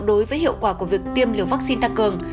đối với hiệu quả của việc tiêm liều vaccine tăng cường